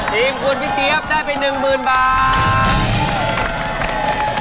ทีมคุณพี่เจี๊ยบได้ไป๑๐๐๐บาท